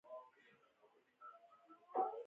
په سپور کې مجهول واو راغلی دی.